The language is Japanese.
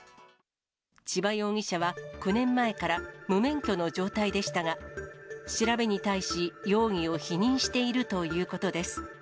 千葉容疑者は９年前から無免許の状態でしたが、調べに対し容疑を否認しているということです。